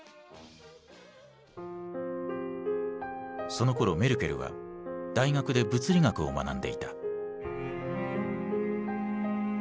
そのころメルケルは大学で物理学を学んでいた。